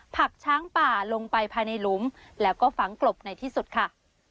ผักช้างป่าลงไปภายในหลุมแล้วก็ฝังกลบในที่สุดค่ะ